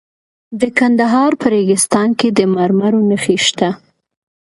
د کندهار په ریګستان کې د مرمرو نښې شته.